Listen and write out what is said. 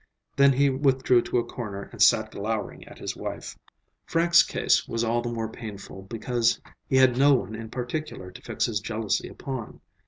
Then he withdrew to a corner and sat glowering at his wife. Frank's case was all the more painful because he had no one in particular to fix his jealousy upon.